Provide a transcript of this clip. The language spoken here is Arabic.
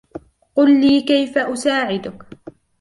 قل لي كيف أساعدك.